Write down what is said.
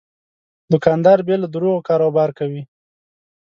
دوکاندار بې له دروغو کاروبار کوي.